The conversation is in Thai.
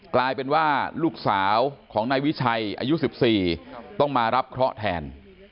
กลายเป็นว่าลูกสาวของนายวิชัยอายุ๑๔ต้องมารับเคราะห์แทน